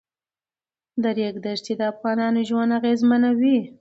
د ریګ دښتې د افغانانو ژوند اغېزمنوي.